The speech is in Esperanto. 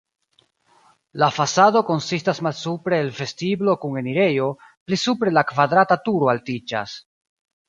La fasado konsistas malsupre el vestiblo kun enirejo, pli supre la kvadrata turo altiĝas.